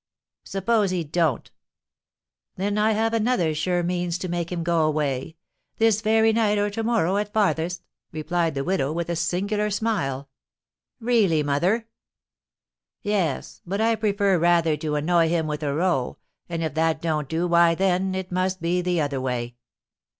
"Suppose he don't?" "Then I have another sure means to make him go away, this very night or to morrow at farthest," replied the widow, with a singular smile. "Really, mother!" "Yes, but I prefer rather to annoy him with a row; and, if that don't do, why, then, it must be the other way."